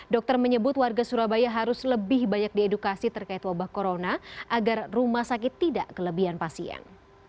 dokter menyebut warga surabaya harus lebih banyak diedukasi terkait wabah corona agar rumah sakit tidak kelebihan pasien